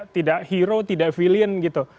tidak hero tidak villion gitu